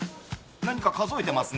何か数えてますね。